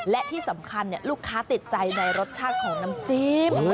และที่สำคัญลูกค้าติดใจในรสชาติของน้ำจิ้ม